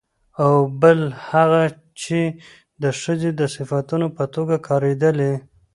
او بل هغه چې د ښځې د صفتونو په توګه کارېدلي